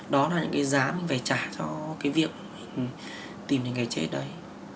đó là những cái giá mình phải trả cho cái việc mình tìm đến cái chết đấy